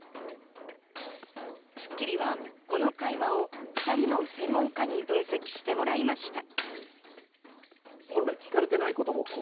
『スッキリ』はこの会話を２人の専門家に分析してもらいました。